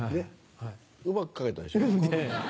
うまく書けたでしょ。